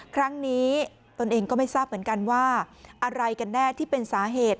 ครั้งนี้ตนเองก็ไม่ทราบเหมือนกันว่าอะไรกันแน่ที่เป็นสาเหตุ